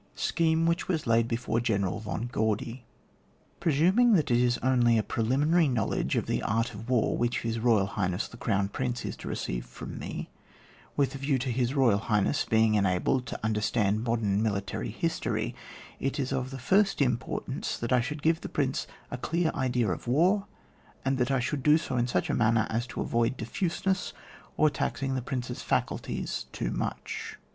SCHEHE WHICH WAS LAID BEFORE GENERAL VON GAUDY. pRESUMnra that it is only a preliminary knowledge of the art of war which His Boyal Highness the Crown Prince is to receive from me, with a view to His Boyal Highness being enabled to under stand modem military history, it is of the first importance ^at I should give the Prince a clear idea of war, and that I should do so in such a manner as to avoid diffuseness, or taxing the Prince's faculties too much.